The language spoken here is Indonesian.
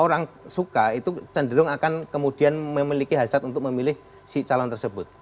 orang suka itu cenderung akan kemudian memiliki hasrat untuk memilih si calon tersebut